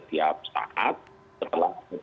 jadi kita harus menguasai setiap saat